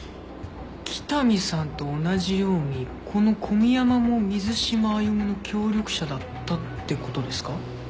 北見さんと同じようにこの小宮山も水島歩の協力者だったってことですか？